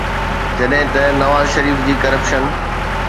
جڏهن ته نواز شريف جي ڪرپشن